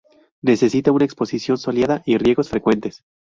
Necesita una exposición soleada y riegos frecuentes.